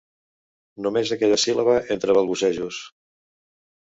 Només aquella síl·laba entre balbucejos.